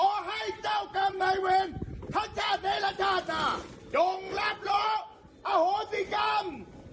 ขอให้เจ้ากรรมนายเวรพระชาติเนรชาติจงรับรู้อโหสิกรรม